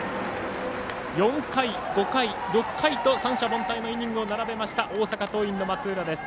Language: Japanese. ４回、５回、６回と三者凡退のイニングを並べました大阪桐蔭の松浦です。